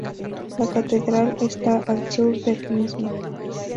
La catedral está al sur del mismo.